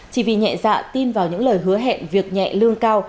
chỉ vì nhẹ dạ tin vào những lời hứa hẹn việc nhẹ lương cao